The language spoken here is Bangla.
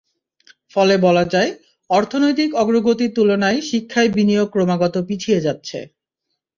ফলে বলা যায়, অর্থনৈতিক অগ্রগতির তুলনায় শিক্ষায় বিনিয়োগ ক্রমাগত পিছিয়ে যাচ্ছে।